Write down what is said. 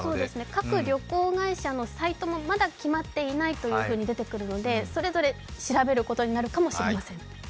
各旅行会社のサイトもまだ決まっていないと出てくるのでそれぞれ調べることになるかもしれません。